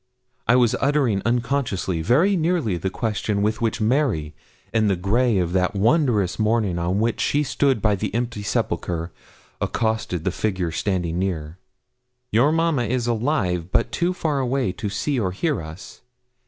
I was uttering unconsciously very nearly the question with which Mary, in the grey of that wondrous morning on which she stood by the empty sepulchre, accosted the figure standing near. 'Your mamma is alive but too far away to see or hear us.